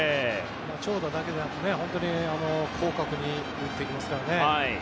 長打だけじゃなくて広角に打っていきますからね。